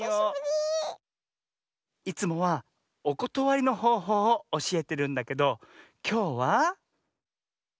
いつもはおことわりのほうほうをおしえてるんだけどきょうは。